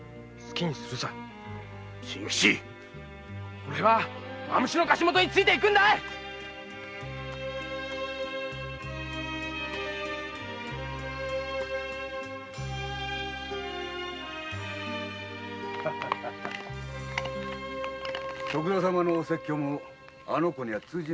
おれは蝮の貸元について行くんだ徳田様のお説教もあの子には通じねぇようだな。